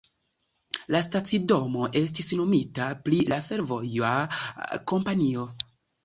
La stacidomo estis nomita pri la fervoja kompanio.